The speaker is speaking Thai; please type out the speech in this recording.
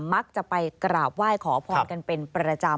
มักจะไปกราบไหว้ขอพรกันเป็นประจำ